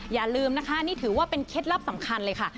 อย่าลืมนะคะนี่ถือว่าเป็นเคล็ดลับสำคัญเลยค่ะ